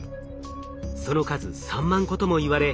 その数３万個ともいわれ